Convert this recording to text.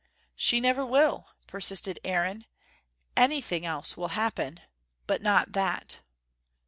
"She never will," persisted Aaron. "Anything else will happen, but not that."